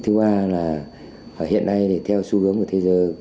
thứ ba là hiện nay thì theo xu hướng của thế giới